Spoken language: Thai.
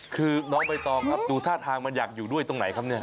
คือน้องใบตองครับดูท่าทางมันอยากอยู่ด้วยตรงไหนครับเนี่ย